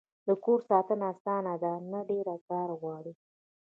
د کور ساتنه اسانه ده؟ نه، ډیر کار غواړی